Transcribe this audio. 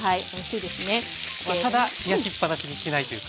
ただ冷やしっ放しにしないというか。